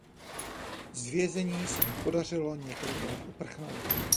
Z vězení se mu podařilo několikrát uprchnout.